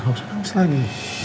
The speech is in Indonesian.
udah gak usah nangis lagi